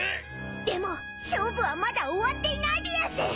［でも勝負はまだ終わっていないでやんす！］